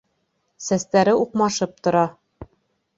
Сәстәре уҡмашып тора.